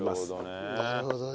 なるほどね。